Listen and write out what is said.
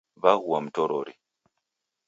Waghua mtorori.